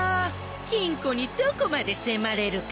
金庫にどこまで迫れるか。